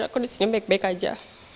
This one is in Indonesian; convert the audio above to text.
aku disini baik baik saja